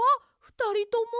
ふたりとも。